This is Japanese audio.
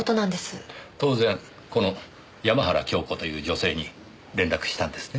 当然この山原京子という女性に連絡したんですね？